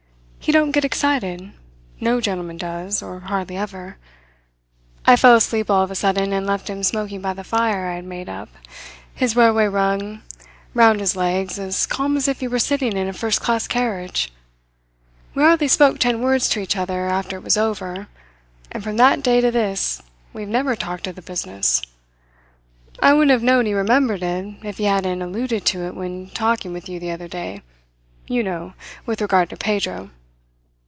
He don't get excited. No gentleman does or hardly ever. I fell asleep all of a sudden and left him smoking by the fire I had made up, his railway rug round his legs, as calm as if he were sitting in a first class carriage. We hardly spoke ten words to each other after it was over, and from that day to this we have never talked of the business. I wouldn't have known he remembered it if he hadn't alluded to it when talking with you the other day you know, with regard to Pedro."